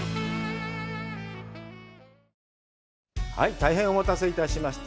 大変お待たせいたしました。